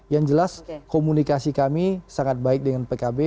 yang jelas komunikasi kami sangat baik dengan pkb